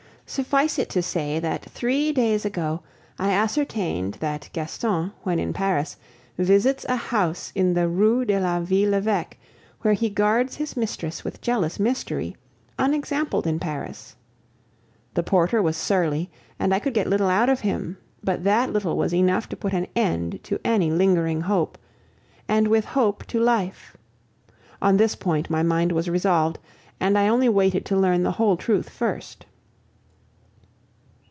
Suffice it to say that three days ago I ascertained that Gaston, when in Paris, visits a house in the Rue de la Ville l'Eveque, where he guards his mistress with jealous mystery, unexampled in Paris. The porter was surly, and I could get little out of him, but that little was enough to put an end to any lingering hope, and with hope to life. On this point my mind was resolved, and I only waited to learn the whole truth first.